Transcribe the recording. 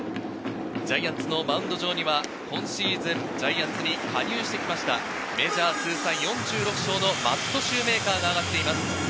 ジャイアンツのマウンド上には今シーズン、ジャイアンツに加入してきたメジャー通算４６勝のマット・シューメーカーが上がっています。